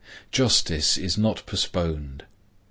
Justice is not postponed.